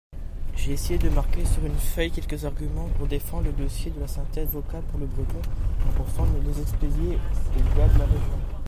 J'ai essayé de marquer sur une feuille quelques arguments pour défendre le dossier de la synthèse vocale pour le breton, en pensant les expédier aux gars de la Région.